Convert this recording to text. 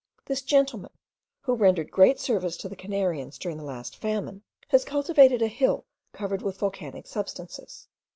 This gentleman, who rendered great service to the Canarians during the last famine, has cultivated a hill covered with volcanic substances.